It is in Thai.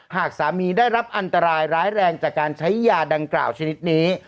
หากสามีได้รับอันตรายร้ายแรงจากการใช้ยาดังกล่าวชนิดนี้